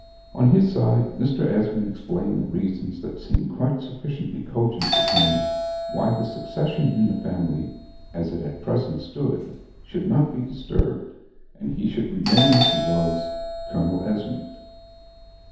On his side Mr. Esmond explained the reasons that seemed quite sufficiently cogent with him, why the succession in the family, as at present it stood, should not be disturbed; and he should remain as he was, Colonel Esmond.